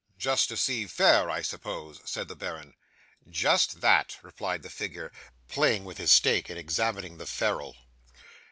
'"Just to see fair, I suppose?" said the baron. '"Just that," replied the figure, playing with his stake, and examining the ferule.